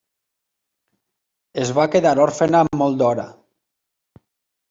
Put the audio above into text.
Es va quedar òrfena molt d'hora.